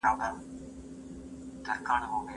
املا د لیکلو د سرعت او دقت ترمنځ اړیکه ده.